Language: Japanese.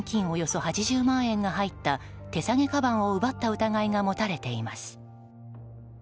およそ８０万円が入った手さげかばんを奪った疑いが持たれています。